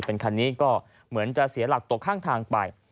เป็นคันนี้ก็เหมือนจะเสียหลักตกข้างทางไป